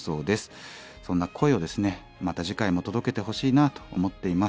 そんな声をですねまた次回も届けてほしいなと思っています。